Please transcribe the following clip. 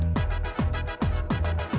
ya ini salah aku